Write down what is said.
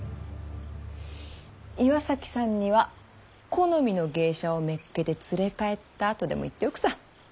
岩崎さんには「好みの芸者をめっけて連れ帰った」とでも言っておくさ。